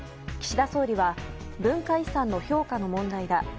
岸田総理は文化遺産の評価の問題だ。